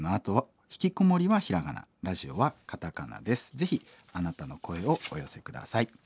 ぜひあなたの声をお寄せ下さい。